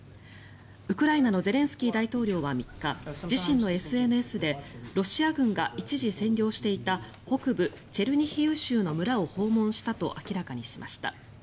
ウクライナのゼレンスキー大統領は３日自身のＳＮＳでロシア軍が一時占領していた北部チェルニヒウ州の村を訪問したと明らかにしました。